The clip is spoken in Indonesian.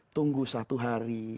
tunggu satu hari